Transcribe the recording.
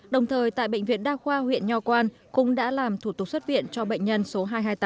đồng thời tại bệnh viện đa khoa huyện nho quang cũng đã làm thủ tục xuất viện cho bệnh nhân số hai trăm hai mươi tám